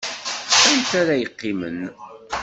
Anta ara yeqqimen?